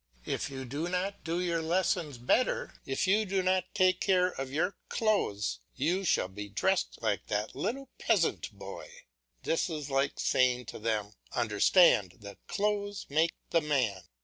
"If you do not do your lessons better, if you do not take more care of your clothes, you shall be dressed like that little peasant boy." This is like saying to them, "Understand that clothes make the man."